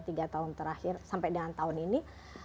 tiga tahun terakhir sampai dengan tahun ini